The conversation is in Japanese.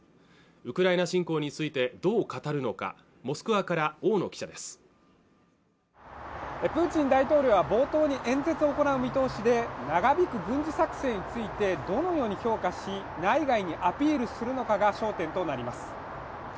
ウクライナ侵攻についてどう語るのかプーチン大統領は冒頭に演説を行う見通しで長引く軍事作戦についてどのように評価し内外にアピールするのかが焦点となります